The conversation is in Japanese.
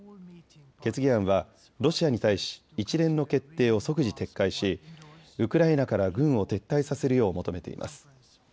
決議案はロシアに対し一連の決定を即時撤回しウクライナから軍を撤退させるよう求めています。